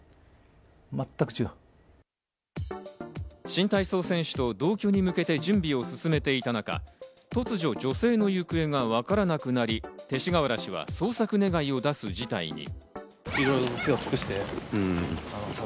新体操選手と同居に向けて準備を進めていた中、突如、女性の行方がわからなくなり、勅使河原氏は捜索願を出す事態に。